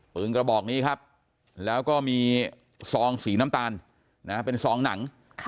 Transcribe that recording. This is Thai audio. กระบอกนี้ครับแล้วก็มีซองสีน้ำตาลเป็นซองหนัง